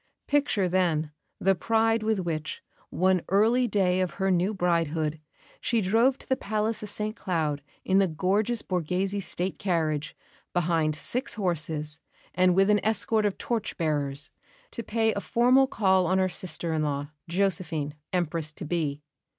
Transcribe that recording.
Picture, then, the pride with which, one early day of her new bridehood, she drove to the Palace of St Cloud in the gorgeous Borghese State carriage, behind six horses, and with an escort of torch bearers, to pay a formal call on her sister in law, Josephine, Empress to be.